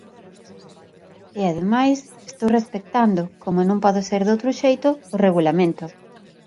E, ademais, estou respectando, como non pode ser doutro xeito, o Regulamento.